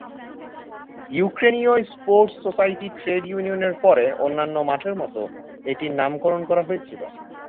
ইউক্রেনিয় sports society trade ইউনিয়নের পরে অন্যান্য মাঠের মতো এটির নামকরণ করা হয়েছিল।